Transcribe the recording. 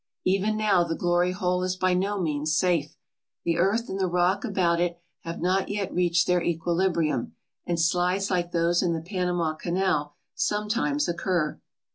Even now the Glory Hole is by no means safe. The earth and the rock about it have not yet reached their equilibrium, and slides like those in the Panama Canal sometimes occur.